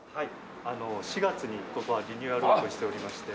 ４月にここはリニューアルオープンしておりまして。